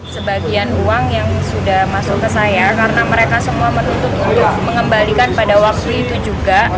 sebagian uang yang sudah masuk ke saya karena mereka semua menutup untuk mengembalikan pada waktu itu juga